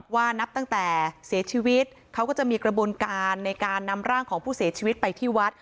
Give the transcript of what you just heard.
นับตั้งแต่เสียชีวิตเขาก็จะมีกระบวนการในการนำร่างของผู้เสียชีวิตไปที่วัด